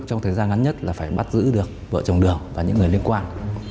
trong thời gian ngắn nhất là phải bắt giữ được vợ chồng đường và những người liên quan